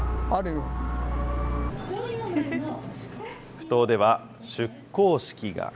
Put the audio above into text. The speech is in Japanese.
ふ頭では、出港式が。